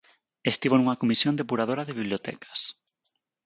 Estivo nunha comisión depuradora de bibliotecas.